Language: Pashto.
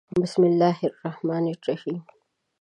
《بِسْمِ اللَّـهِ الرَّحْمَـٰنِ الرَّحِيمِ》